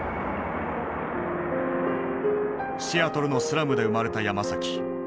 シアトルのスラムで生まれたヤマサキ。